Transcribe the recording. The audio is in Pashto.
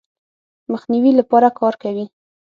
مخنیوي لپاره کار کوي.